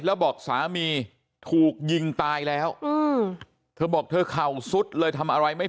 แล้วบอกสามีถูกยิงตายแล้วเธอบอกเธอเข่าสุดเลยทำอะไรไม่